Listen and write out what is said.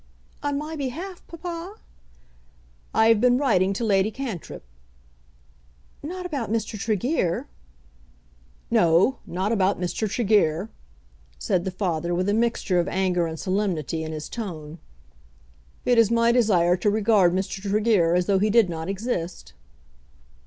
"On my behalf, papa?" "I have been writing to Lady Cantrip." "Not about Mr. Tregear?" "No; not about Mr. Tregear," said the father with a mixture of anger and solemnity in his tone. "It is my desire to regard Mr. Tregear as though he did not exist."